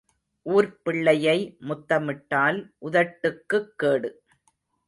ஊர்ப் பிள்ளையை முத்தமிட்டால் உதட்டுக்குக் கேடு.